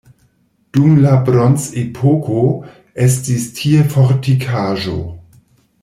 Dum la bronzepoko estis tie fortikaĵo.